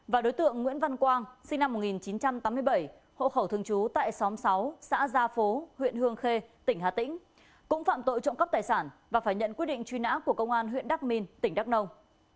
và đối tượng nguyễn văn quang sinh năm một nghìn chín trăm tám mươi bảy hộ khẩu thường trú tại xóm sáu xã gia phố huyện hương khê tỉnh hà tĩnh cũng phạm tội trộm cắp tài sản và phải nhận quyết định truy nã của công an huyện đắk minh tỉnh đắk nông